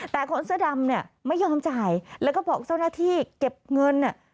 แต่คนเสื้อดำเนี่ยไม่ยอมจ่ายแล้วก็บอกเจ้าหน้าที่เก็บเงินเนี่ย